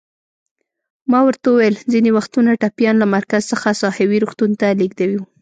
ما ورته وویل: ځینې وختونه ټپیان له مرکز څخه ساحوي روغتون ته لېږدوو.